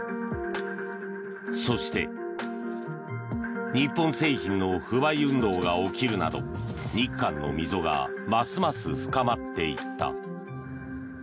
そして日本製品の不買運動が起きるなど日韓の溝がますます深まっていった。